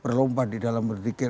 berlomba di dalam berpikir